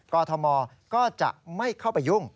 อทมก็จะไม่เข้าไปยุ่ง